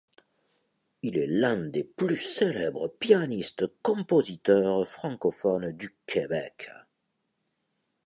Il est l'un des plus célèbres pianistes compositeurs francophones du Québec.